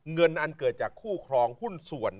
เงินอันเกิดจากคู่ครองหุ้นส่วน